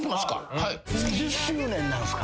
２０周年なんすか？